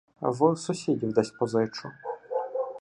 В сусідів десь позичу.